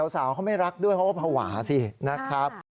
สาวเขาไม่รักด้วยเขาก็ภาวะสินะครับ